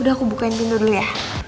udah aku bukain dulu ya